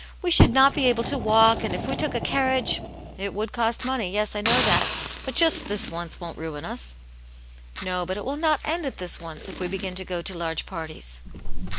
we should not be able tovvalk, and If we took a carriage " '•It would cost money. Yes, I know that, but just this once won't ruin us." " No, but it v/ill not end at this once, if we begin to go to large parties."